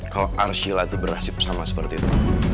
kalau arshila berhasil sama seperti itu